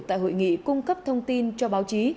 tại hội nghị cung cấp thông tin cho báo chí